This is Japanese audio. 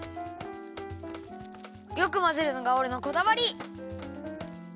よくまぜるのがおれのこだわり！